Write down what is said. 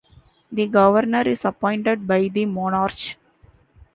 The Governor is appointed by the Monarch.